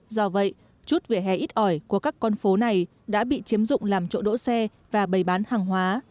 do vậy chút vẻ hè ít ỏi của các con phố này đã bị chiếm dụng làm chỗ đỗ xe và bày bán hàng hóa